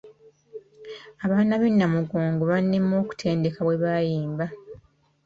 Abaana b'e Namugongo bannema okutendeka bwe bayimba.